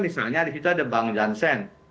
misalnya disitu ada bang jansen